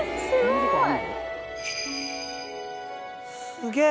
すげえ。